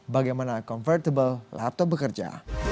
bagaimana convertible laptop bekerja